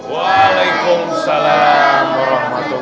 waalaikumsalam warahmatullahi wabarakatuh